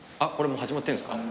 もう始まってるんですか？